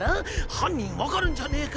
犯人分かるんじゃねえか？